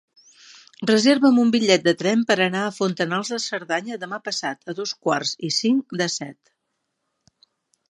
Reserva'm un bitllet de tren per anar a Fontanals de Cerdanya demà passat a dos quarts i cinc de set.